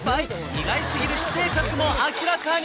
意外すぎる私生活も明らかに！